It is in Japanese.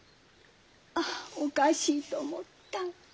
ああおかしいと思った。